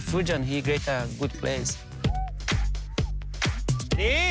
เฟรื่อจันก็คิดว่าวันที่ดี